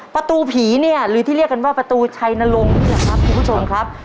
ประตูผีเนี่ยหรือที่เรียกกันว่าประตูชัยนรงค์นี่แหละครับคุณผู้ชมครับ